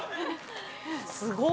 ◆すごい。